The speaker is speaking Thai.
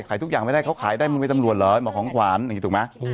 ทุกอย่างไม่ได้เขาขายได้มึงเป็นตำรวจเหรอหมอของขวานอย่างนี้ถูกไหม